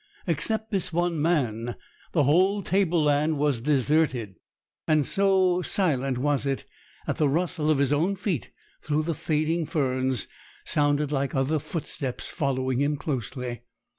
Except this one man, the whole tableland was deserted; and so silent was it that the rustle of his own feet through the fading ferns sounded like other footsteps following him closely.